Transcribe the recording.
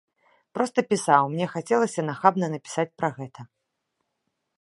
Проста пісаў, мне хацелася нахабна напісаць пра гэта.